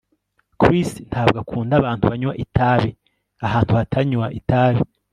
Chris ntabwo akunda abantu banywa itabi ahantu hatanywa itabi